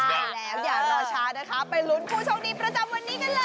ใช่แล้วอย่ารอช้านะคะไปลุ้นผู้โชคดีประจำวันนี้กันเลย